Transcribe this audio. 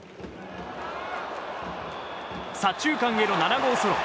左中間への７号ソロ。